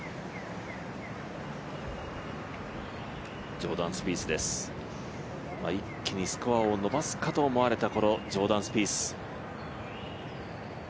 ジョーダン・スピースです、一気にスコアを伸ばすかと思われたこのジョーダン・スピース。